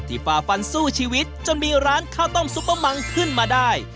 ฝ่าฟันสู้ชีวิตจนมีร้านข้าวต้มซุปเปอร์มังขึ้นมาได้